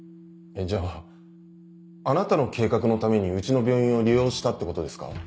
えっじゃああなたの計画のためにうちの病院を利用したってことですか？